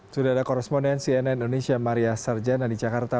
sudah ada koresponen cnn indonesia maria sarjana di jakarta